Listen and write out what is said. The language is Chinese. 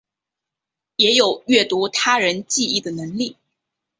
也有阅读他人记忆的能力。